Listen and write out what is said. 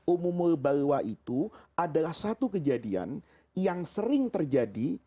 umumul balwa itu adalah satu kejadian yang sering terjadi